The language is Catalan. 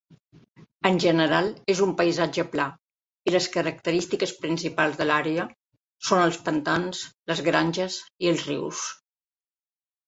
En general és un paisatge pla i les característiques principals de l'àrea son els pantans, les granges i els rius.